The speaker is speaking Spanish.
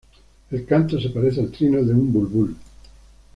El canto se parece al trino de un bulbul.